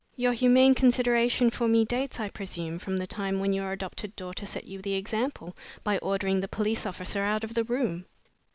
Your humane consideration for me dates, I presume, from the time when your adopted daughter set you the example, by ordering the police officer out of the room?"